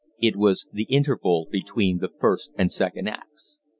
It was the interval between the first and second acts.